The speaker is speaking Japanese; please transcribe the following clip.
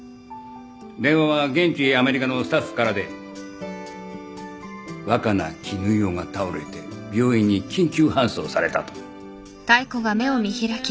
電話は現地アメリカのスタッフからで若菜絹代が倒れて病院に緊急搬送されたと。